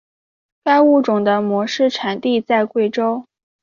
该物种的模式产地在贵州。